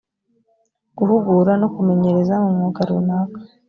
guhugura no kumenyereza mu mwuga runaka